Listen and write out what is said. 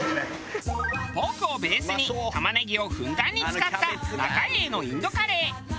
ポークをベースに玉ねぎをふんだんに使った中栄の印度カレー。